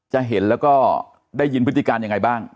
จะเห็นแล้วก็ได้ยินพฤติการยังไงบ้าง